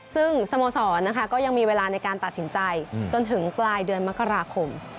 ซึ่งสโมสรนะคะก็ยังมีเวลาในการตัดสินใจจนถึงปลายเดือนมกราคม